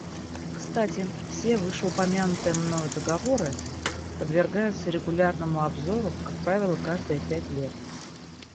Кстати, все вышеупомянутые мною договоры подвергаются регулярному обзору, как правило, каждые пять лет.